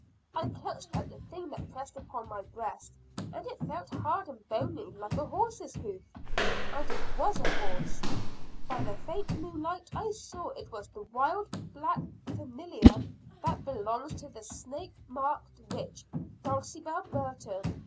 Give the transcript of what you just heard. I clutched at the thing that pressed upon my breast, and it felt hard and bony like a horse's hoof and it was a horse. By the faint moonlight I saw it was the wild black 'familiar' that belongs to the snake marked witch, Dulcibel Burton.